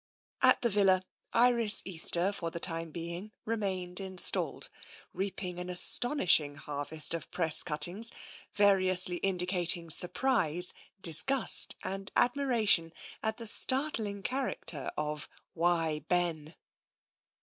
At the villa. Iris Easter for the time being remained installed, reaping an astonishing harvest of press cut tings, variously indicating surprise, disgust, and admi ration at the startling character of " Why, Ben